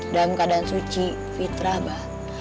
dalam keadaan suci fitrah banget